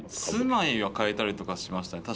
住まいは変えたりとかしました。